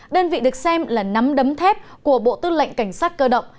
đơn vị được xem là nắm đấm thép của bộ tư lệnh cảnh sát cơ động